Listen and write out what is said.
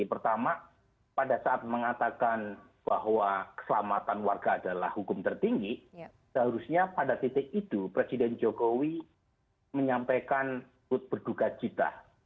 pertama pada saat mengatakan bahwa keselamatan warga adalah hukum tertinggi seharusnya pada titik itu presiden jokowi menyampaikan berduka cita